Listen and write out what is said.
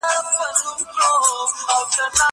هغه څوک چي کتاب ليکي پوهه زياتوي!